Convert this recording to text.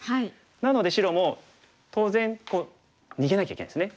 なので白も当然逃げなきゃいけないですね。